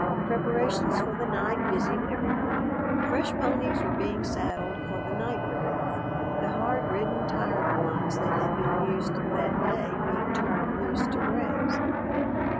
Preparations for the night busied everybody. Fresh ponies were being saddled for the night relief, the hard ridden, tired ones that had been used that day being turned loose to graze.